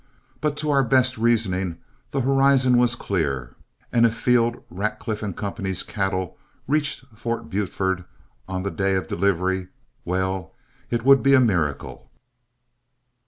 But to our best reasoning the horizon was clear, and if Field, Radcliff & Co.'s cattle reached Fort Buford on the day of delivery, well, it would be a miracle.